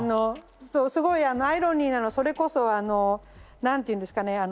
そうすごいアイロニーなのをそれこそあの何ていうんですかね